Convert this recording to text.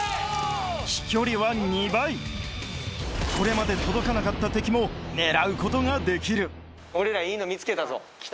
飛距離は２倍これまで届かなかった敵も狙うことができる来た